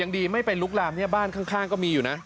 ดีไม่ไปลุกลามเนี่ยบ้านข้างก็มีอยู่นะ